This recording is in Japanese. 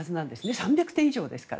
３００点以上ですから。